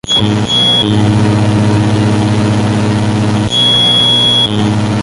Las alas presentan algunas manchas blancas.